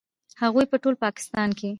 هغوی په ټول پاکستان کې